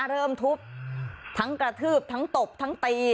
ทุบทั้งกระทืบทั้งตบทั้งตี